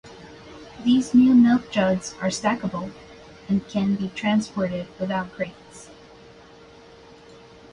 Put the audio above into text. These new milk jugs are stackable, and can be transported without crates.